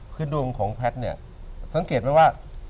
คือดวงของแพทย์เนี่ยสังเกตไว้ว่า